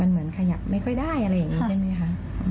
เหมือนขยับไม่ค่อยได้อะไรอย่างนี้ใช่ไหมคะ